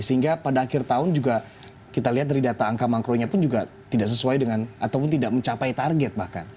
sehingga pada akhir tahun juga kita lihat dari data angka makronya pun juga tidak sesuai dengan ataupun tidak mencapai target bahkan